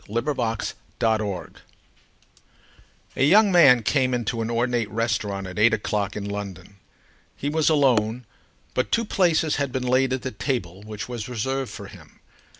THE GUEST A young man came into an ornate restaurant at eight o'clock in London. He was alone, but two places had been laid at the table which was reserved for him.